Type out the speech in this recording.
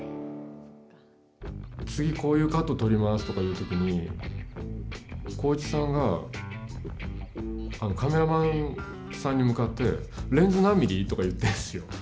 次こういうカットを撮りますとかいうときに浩市さんがカメラマンさんに向かって「レンズ何ミリ？」とか言ってるんですよ。